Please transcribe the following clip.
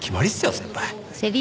先輩。